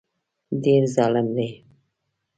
ډېر ظالم دی.